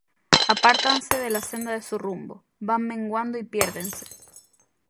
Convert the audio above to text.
Apártanse de la senda de su rumbo, Van menguando y piérdense.